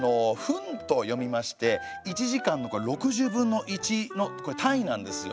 「ふん」と読みまして１時間の６０分の１の単位なんですよね。